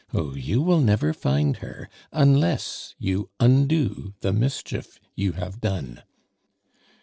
Oh! you will never find her! unless you undo the mischief you have done."